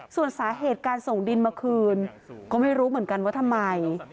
ส่วนสาเหตุการส่งดินมาคืนก็ไม่รู้เหมือนกันว่าทำไม